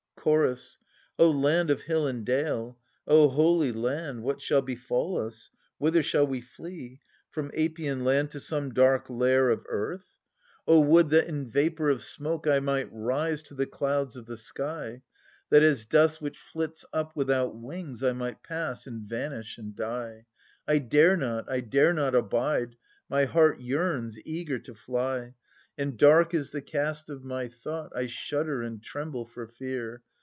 Chorus. O land of hill and dale, O holy land, What shall befall us ? whither shall we flee. From Apian land to some dark lair of earth ? THE SUPPLIANT MAIDENS. 39 would that in vapour of smoke I might rise to the clouds of the sky, That as dust which iiits up without wings I might pass and Ivanish and die ! 1 dare not, I dare not abide : my heart yearns, eager to fly ; And dark is the cast of my thought ; I shudder and tremble for fear.